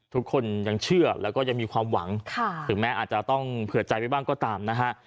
ทุกคนยังเชื่อแล้วก็ยังมีความหวังถึงแม้อาจจะต้องเผื่อใจไว้บ้างก็ตามนะฮะ